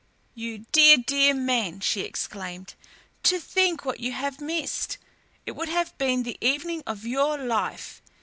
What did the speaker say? "You dear, dear man!" she exclaimed. "To think what you have missed! It would have been the evening of your life.